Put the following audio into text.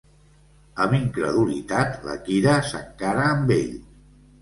Amb incredulitat, la Kira s'encara amb ell.